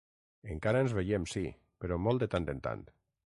Encara ens veiem, sí, però molt de tant en tant!